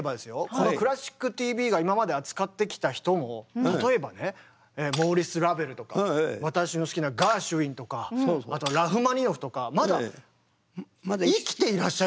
この「クラシックＴＶ」が今まで扱ってきた人も例えばねモーリス・ラヴェルとか私の好きなガーシュウィンとかあとラフマニノフとかまだ生きていらっしゃる時。